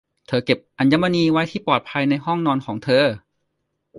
เธอเก็บอัญมณีไว้ที่ปลอดภัยในห้องนอนของเธอ